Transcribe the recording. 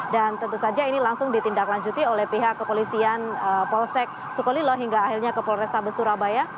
dan tentu saja ini langsung ditindaklanjuti oleh pihak kepolisian polsek sukolilo hingga akhirnya ke polrestabes surabaya